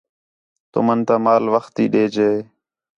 تُمن تا مال وخت تی ݙیجے